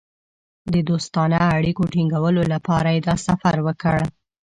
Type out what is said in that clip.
د دوستانه اړیکو ټینګولو لپاره یې دا سفر وکړ.